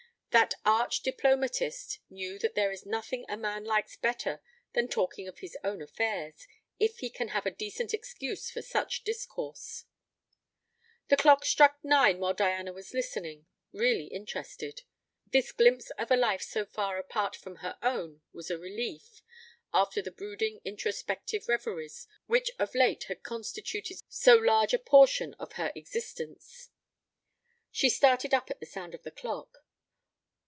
That arch diplomatist knew that there is nothing a man likes better than talking of his own affairs, if he can have a decent excuse for such discourse. The clock struck nine while Diana was listening, really interested. This glimpse of a life so far apart from her own was a relief, after the brooding introspective reveries which of late had constituted so large a portion of her existence. She started up at the sound of the clock.